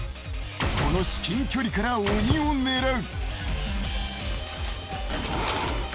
この至近距離から鬼を狙う。